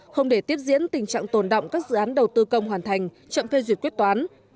không để tiếp diễn tình trạng tồn động các dự án đầu tư công hoàn thành chậm phê duyệt quyết toán